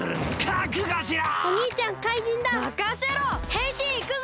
へんしんいくぞ！